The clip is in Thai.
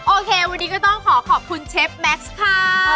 โอเควันนี้ก็ต้องขอขอบคุณเชฟแม็กซ์ค่ะ